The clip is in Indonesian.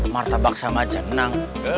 martabak sama jenang